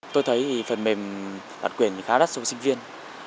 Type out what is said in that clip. tôi thấy phần mềm bản quyền khá đắt cho sinh viên